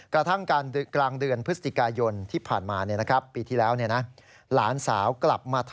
กระทั่งกลางเดือนพฤษฎิกายนที่ผ่านมาเนี่ยนะครับ